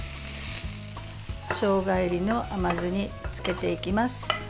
しょうがえびの甘酢につけていきます。